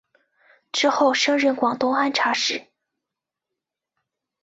之后升任广东按察使。